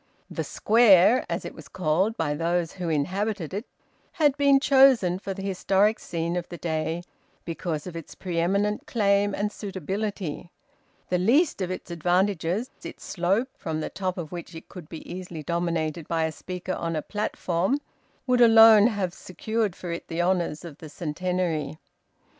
`The Square,' as it was called by those who inhabited it, had been chosen for the historic scene of the day because of its pre eminent claim and suitability; the least of its advantages its slope, from the top of which it could be easily dominated by a speaker on a platform would alone have secured for it the honours of the Centenary.